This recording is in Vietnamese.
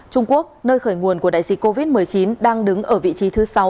trung quốc nơi khởi nguồn của đại dịch covid một mươi chín đang đứng ở vị trí thứ sáu